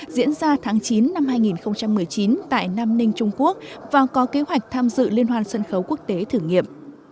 diễn ra tháng chín năm hai nghìn một mươi chín tại nam ninh trung quốc và có kế hoạch tham dự liên hoan sân khấu quốc tế thử nghiệm